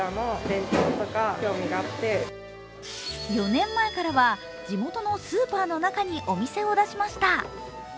４年前からは地元のスーパーの中にお店を出しました。